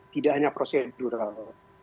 tidak hanya prosedural